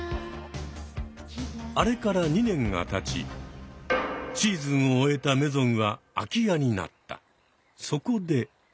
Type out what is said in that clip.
あれから２年がたちシーズンを終えたメゾンはそこで！